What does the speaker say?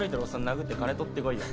殴って金取ってこいよ。